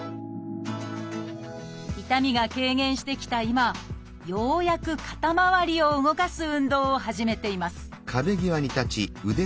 痛みが軽減してきた今ようやく肩まわりを動かす運動を始めています